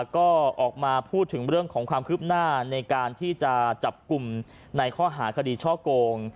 ก็ออกมาพูดถึงเรื่องของความคืบหน้าในการที่จะจับกลุ่มในข้อหาคดีช่อโกง